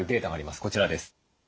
こちらです。